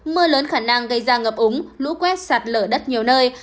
mưa lớn khả năng gây ra ngập úng lũ quét sạt lở đất nhiều nơi